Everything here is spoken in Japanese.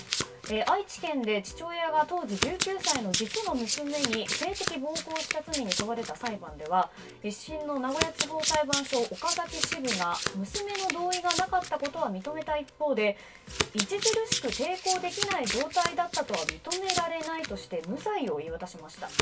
愛知県で父親が当時１９歳の実の娘に性的暴行をした罪に問われた裁判では１審の名古屋地方裁判所岡崎支部が娘の同意がなかったことは認めた一方で著しく抵抗できない状態だったとは認められないとして無罪を言い渡しました。